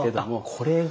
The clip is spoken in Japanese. これが。